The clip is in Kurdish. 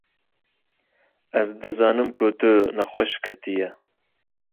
Ez dizanim ku tu nexweş ketiye